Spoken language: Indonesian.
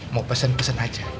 mau pesen pesen aja